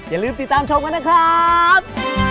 อย่าลืมติดตามชมกันนะครับ